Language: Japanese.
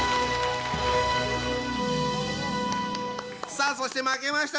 さあそして負けました